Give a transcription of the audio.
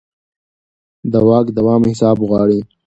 د واک دوام حساب غواړي